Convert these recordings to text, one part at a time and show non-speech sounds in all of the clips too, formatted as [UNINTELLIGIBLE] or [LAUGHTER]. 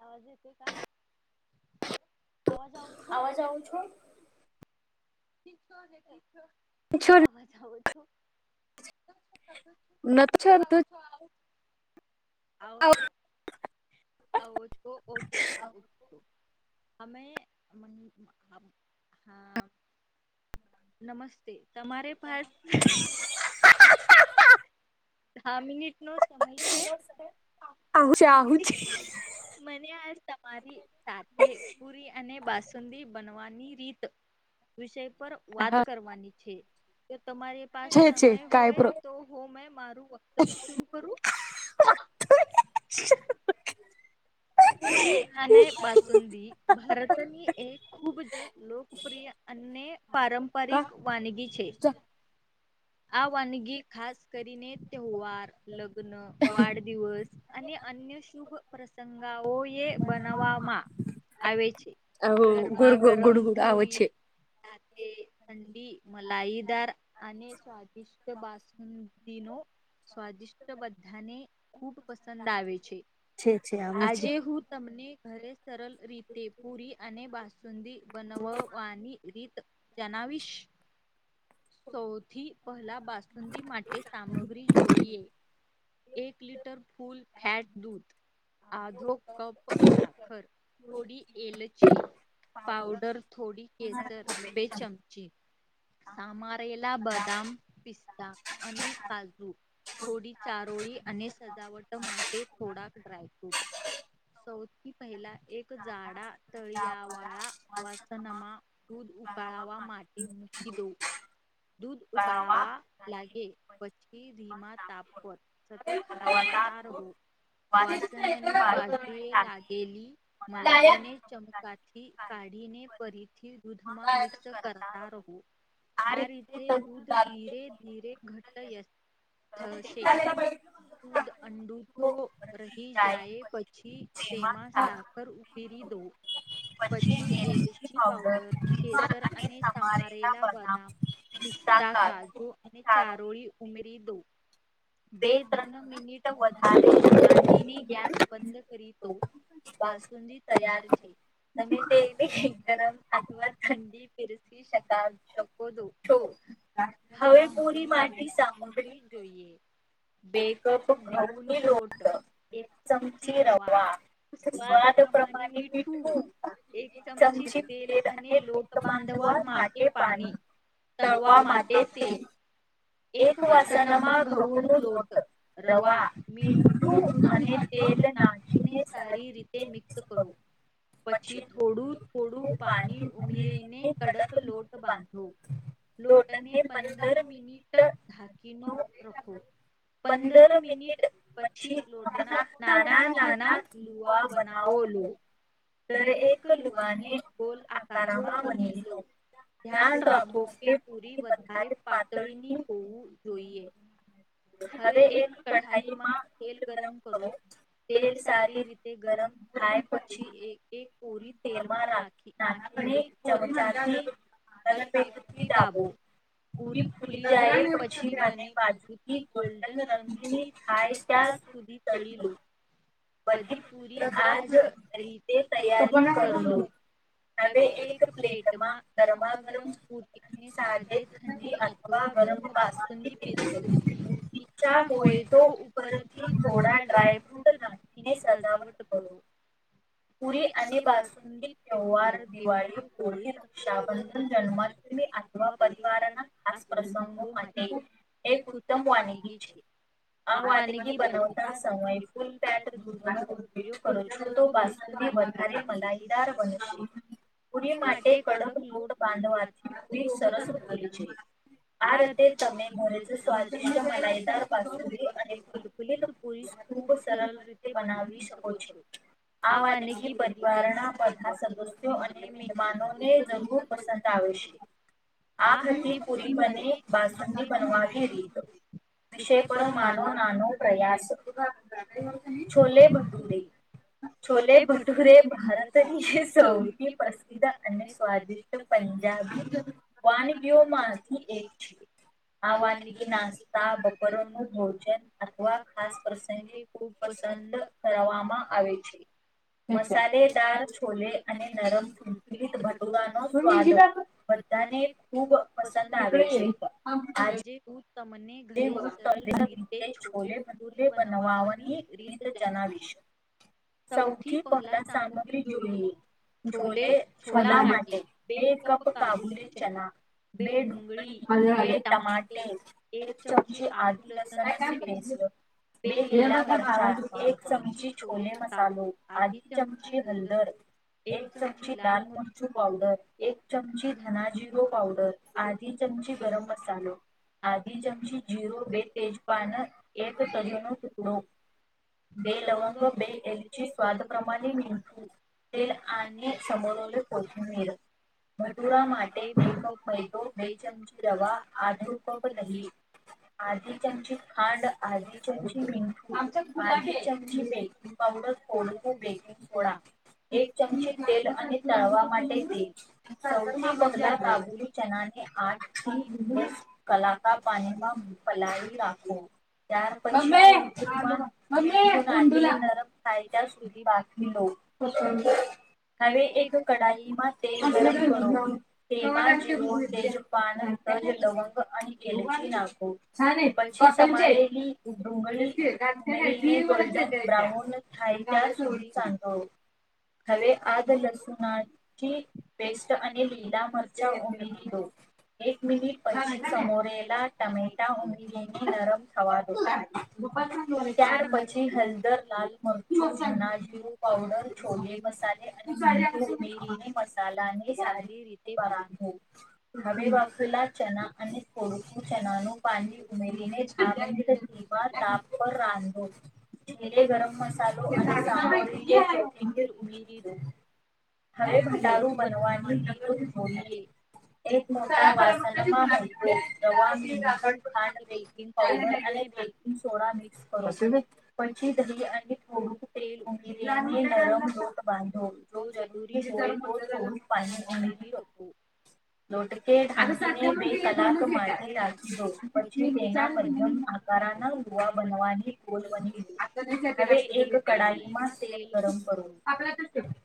આવાજ આવે અવાજ આવું છો [UNINTELLIGIBLE] છો [UNINTELLIGIBLE] નક્ષ તો આવો છું આવો જ ઓ ઓકે ઓ હમે મ હા નમસ્તે તમારે પાસ ડાહ મિનિટ નો સમય છે મને આજ તમારી સાથે પુરી અને બાસુંદી બનવાની રીત વિશે પર વાત કરવાની છે કે તમારી પાસ સમય હોય તો હો મેં માર વક્તવ્ય શું કરું પુરી અને બાસુંંદી ભારતની એ ખૂબ જ લોકપ્રિય અને પારંપરિક વાનગી છે આ વાનગી ખાસ કરીને તહેવાર લગ લગન વાડ દિવસ અને અન્ય શુભ પ્રસંગાઓ એ બનાવવામાં આવે છે ગરમા ગરમ પુરી રાતે ઠંડી મલાઈદાર અને સ્વાદિષ્ટ બાસકુદીનો સ્વાદિષ્ટ બધાને ખૂબ પસંદ આવે છે આજે હું તમને ઘરે સરળ રીતે પુરી અને બાસુંદીી બનાવવાની રીત જણાવીશ સૌથી પહેલા બાસુંદી માટે સામગ્રી જોઈએ એક લીટર ફૂલ ફૅટ દૂધ આધો કપ સાખર થોડી એલચી પાાવડર થોડી કેસર બે ચમચી સમારેલા બદામ પિસ્તા અને કાજુ થોડી ચારોળી અને સજાવટ માટે થોડાક ડ્રાયફ્રૂટ સૌથી પહેલા એક જાડા તળિયાવાળા વાસનામા દૂધ ઉકાડવા માટે મૂકી દઉવં દૂધ ઉકળવા લાગે પછી ધીમા તાપ પર સતત હલાવતા રહો. વાસનની બાજુએ લાગેલી મલા એને. ચમકાથી કાઢીને ફરીથી દૂધમાં મિક્સ કરતા રહો. આ રીતે દૂધ ધીરે ધીરે ઘટ થશે. દૂધ અડુઠો રહી જાય પછી તેમાં સાકર તરી દ [UNINTELLIGIBLE] [INAUDIBLE] પછી એલચી પાાવડર કેસર અને તમારેલા બદામ. પિસ્તા કાજુ અને ચારોળી ઉમેરી દો. બે ત્રણ મિનિટ વધારે ગાંધીની ગેસ બંધ કરી દો. બાસુંદી તૈયાર છે. તમે તેને ગરમ અથવા ઠંડી પેરસી શકા છો. દ હવે પૂરી માટી સામગ્રી જોઈએ. બે કપ ઘઉની લોટ એક ચમચ રવા. સ્વાદ પામાની મીઠું. એક ચમચી તેલ અને લોટ બાંધવા માટે પાની. તળવા માટે તેલ એક વાસનમાં ઘઉં નો લોટ. રવા મીંઠું અને તેલ નાખ. એને સારી રીતે મિક્ત કરો. પછી થોડું થોડું પાણી ઉમેરીને કડક લોટ બાંધો. લોટને પંદર મિનિટ ઢાકીનો રખો. પંદર મિનિટ. પછી લોટના નાના નાના લુવા બનાવો લો. દએક લુઆને ગોલ આકારામાં વની લો. ધ્યાન રાખો કે પૂરી વધારે પાતળીની હોવું જોઈએ. હવે એક કઢાઈમાં તેલ ગરમ કરો. તેલ સારી રીતે ગરમ. થાય પછી એક-એક કોરી તેલમાં રાખી નાખીને ચમચાથી. હલ વ્યક્તિ ડાબો પૂરી ફૂલી જાય પછી બને બા. થી ગોલ્ડન રંગની થાય ત્યાં સુધી તળી લો. બધી પૂરી આ જ રીતે તૈયારી કર લો. હવે એક પ્લેટમાં ગરમા ગરમ પુરી. અને સાધે ઠંડી અથવા ગરમ બાસુંદી પેરશો. ઇચા હોય તો ઉપરથી થોડા ડ્રાયફ્રૂટ ના. એને સજાવટ કરો પુરી અને બાસુંદી કવો. વાર, દિવાળ, હોળી, રક્ષાબંધન, જન્મા્ટમી અથવા પરિવારના. આ પ્રસંગો માટે એક ઉત્તમ વાનગી છે. આ વાનગી બનાવતા શ [INAUDIBLE] દૂધ નો ઉપયોગ કરો છો તો બાસી વધારે મલાઈદાર બનશે. પૂરી માટે કડક લોટ બાંધવાથી પૂરી સરસ ફૂલે છે. આ રતે તમે ઘરેજ સ્વાદિષ્ટ મલાઈદારસી અને. ફુલ પુરી ખૂબ સરળ રીતે બનાવી શકો છો. આ વાનગી પરિવારના સદસ્યો અને મહેમાનોને જરૂર પસંદ. આવે સે, આ હતી પુરી બને પાસંદી બનવાવી રીતે. વિષય પરો માનો નાનો પ્રયાસ. છોલે ભટુરે. છોલે ભટૂરે ભારતની સૌથી પ્રસિદ્ધ અને સ્વાદિષ્ટ. પંજાબી વાનગીઓ માંથી એક છે. આ વાનગી નાસ્તા બપરોનું ભોજન. અથવા ખાસ પ્રસંગે પસંદ કરવામાં આવે છે. મસાલેદાર છોલે અને નરમ ભટુરા નો સ્વાદ. બધાને ખુબ પસંદ આવે. તમને. વધ ત રીતે છોલે બુરે બનાવાની રી. જણાવીસ સૌથી પહેલા સામગ્રી જોઈએ. લે છોલા માટે બે કપ કાબુલી ચના. બે ડુંગળી બે ટમાટે. એક ચમચી આદુ લસણ પેસ્ટ બે લ. એક ચમચી છોલે મસાાલો આધી ચમચી હળદર. એક ચમચી લાલ મરચું પાવડર એક ચમચી ધનાજીરૂ પાાવડર. આધી ચમચી ગરમ મસાાલો. આધી ચમચી જીરો બે તેજપન એક તજોનો ટુકડો. બે લવંગ બે એલચી સ્વાદ પ્રમાણે મીંઠુ. ટેલ આની ચમરોલ કોથમીર. ભટુરા માટે બે કપ મૈદો બે ચમચી રવા આધો કપ. હી આધી ચમચી ખાંડ આધી ચમચી મીંઠું. આધી ચમચી બેકિંગ પાાવડર થોડુંકું બેકિંગ સોડા. એક ચમચી તેલ અને તળવા માટે તેલ સૌથી પહેલા કાબુલી. ચનાને આઠ થી દસ. કલાકા પાંચમાં પલાળી રાખો ત્યાર પછી [UNINTELLIGIBLE] [UNINTELLIGIBLE] તરફ કાયદ્યા સુધી બાફીલો. હવે એક કડાઈમાં તેલ ગરમ કરો તેમાં જીરો તેજ પાન. તેજ લવંગ. [UNINTELLIGIBLE] [UNINTELLIGIBLE] ઉન થાઈ [UNINTELLIGIBLE] હવે આદ લસુણાથી પેસ્ટ અને લીલા મરચાં ઉમેરી દો, એક મિનિટ પછી સમોરેલા ટમેટા ઉમેરીને ગરમ થવા દો. ત્યાર પછી હળદર લાલમરચું અનાચૂર પાવડર છોલેમસાલા. [UNINTELLIGIBLE] મસાને સારી બરામ. હવે બાફેલા ચણા. અને થોડકું ચનાનું પાણી ઉમેરીને [UNINTELLIGIBLE] તાપ પર રા [INAUDIBLE] છોલે ગરમ મસાલો અને [UNINTELLIGIBLE] હ ભંટારું બનવાની જરૂર હોય [UNINTELLIGIBLE] એક [UNINTELLIGIBLE] [UNINTELLIGIBLE] અને બ્રેકિંગ સોડા મિક્સ કરો [UNINTELLIGIBLE] લોટ બાંધો [UNINTELLIGIBLE] જરૂરી પાની ઉમેરી દો. લટ કે [UNINTELLIGIBLE] ક માટે રાખી જોખ પછી તેના મધ્યમ આકારના કુવા બનવાની. [UNINTELLIGIBLE] હવે એક કડાઈમાં તેલ ગરમ કરો.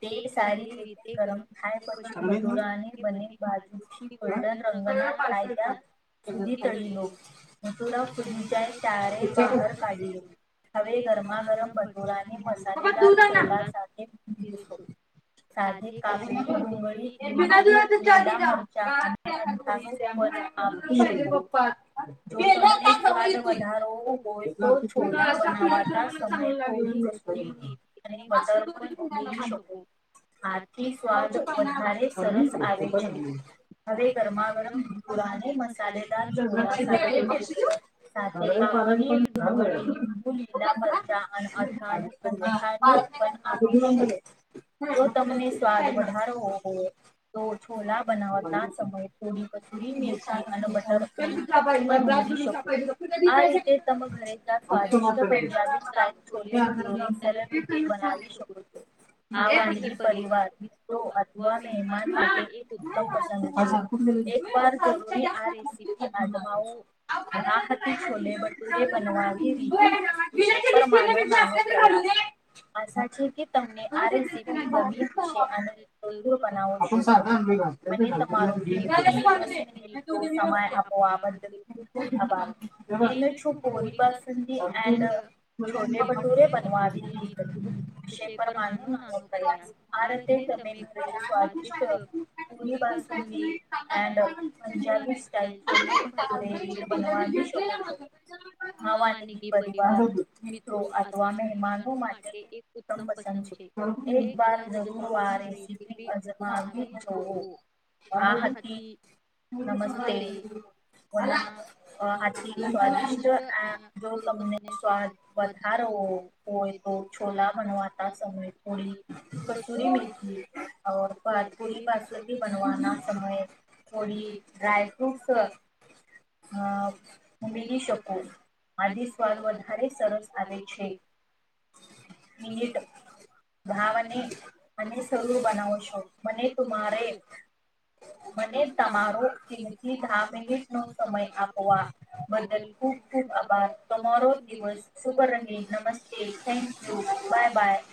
તેલ સારી રીતે ગરમ થાય પછી ભટોરાની બને બાજુથી. [UNINTELLIGIBLE] રંગના થાય. જલ્દી તરીલો પટોળા ફૂટી જાય તારી. [UNINTELLIGIBLE] [UNINTELLIGIBLE] હવે ગરમા ગરમ બટુરાને મસાલે દાર [UNINTELLIGIBLE] સાથે પીરસો. સાધે કાપેલી ડુંગળી [UNINTELLIGIBLE] લીલા મરચા. [UNINTELLIGIBLE] [UNINTELLIGIBLE] [UNINTELLIGIBLE] હાથી સ્વાદ વધારે સરસ હવે ગરમા ગરમ. મસાલેદાર છોલે સાથે પીરસો [UNINTELLIGIBLE] લીલા મરચા અને લસણ [UNINTELLIGIBLE] જો તમને સ્વાદ વધારવો હો તો છોલા બનાવતા સમયે [UNINTELLIGIBLE] [UNINTELLIGIBLE] સરળ રીતે બનાવી શકું છું. આ વાનગી પરિવાર અથવા મહેમાન માટે [UNINTELLIGIBLE] એક બાર [UNINTELLIGIBLE] અને આ રીતે છોલે ભટુરે બનાવો [INAUDIBLE] આશા છે કે તમને આ સરસ બનાવ [UNINTELLIGIBLE] [INAUDIBLE] [INAUDIBLE] પી એન્ડ [UNINTELLIGIBLE] છોલે ભટૂરે બનવા આવી વિષય પર માનું હ [UNINTELLIGIBLE] ક આરતે તમે સ્વાદષ્ટ પુરી વાસુદી એન્ડ, પંજાબી સ્ટાઇલવા [UNINTELLIGIBLE] આ વાનગી પરિવાર મિત્રો અથવા મહેમાનો માટે, મ પસંદ છે એક વાર જુરુર વારે અજમાવી જુઓ. વાહ હતી નમસ્તે આથી સ્વાદિષ્ટ, આ જો તમને સ્વાદ વધારવો હોય તો છોલા બનવાતા સમય પૂડી કસૂરી મેથી ઓર પાપૂડી બાસુંદી બનવા ના સમય, થોડી ડ્રાયફ્રૂટ અ ઉમેરી શક આથી સ્વાદ વધારે સરસ આવે છે મિનિટ ધાવને અને સરૂર બનાવ છું અને તુમારે, મને તમારો કિમથી ધાહ મિનિટ નો સમય આપવા બદલ ખુબ ખૂબ આભાર તમારો દિવસ શુભ રહે નમસ્તે થેન્કયુ બાય બાય